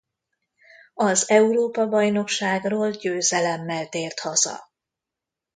Az Európa-bajnokságról győzelemmel tért haza.